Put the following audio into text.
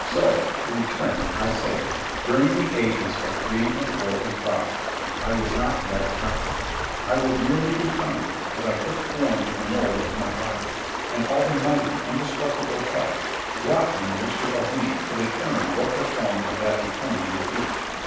So, to return, I say, during the ages of three and four and five, I was not yet I. I was merely becoming as I took form in the mould of my body, and all the mighty, indestructible past wrought in the mixture of me to determine what the form of that becoming would be.